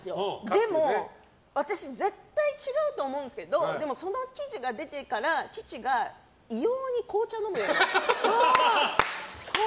でも私、絶対違うと思うんですけどその記事が出てから父が異様に紅茶を飲むようになった。